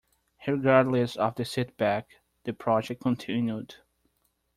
Regardless of the setback, the project continued.